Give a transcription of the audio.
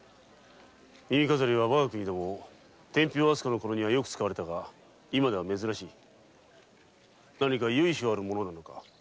耳飾りは天平飛鳥の時代にはよく使われたが今では珍しい何か由緒あるものなのか？